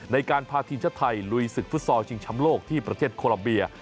ในการพาทีมชาติไทยลุยศึกฟุตซอลชิงชำโลกที่ประเทศโคลัมเบีย